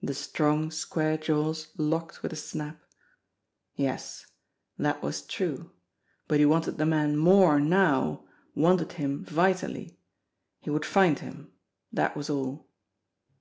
The strong, square jaws locked with a snap. Yes ! That was true ! But he wanted the man more now, wanted him vitally. He would find him, that was all!